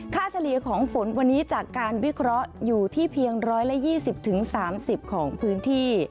เฉลี่ยของฝนวันนี้จากการวิเคราะห์อยู่ที่เพียง๑๒๐๓๐ของพื้นที่